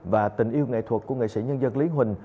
và tình yêu nghệ thuật của nghệ sĩ nhân dân lý huỳnh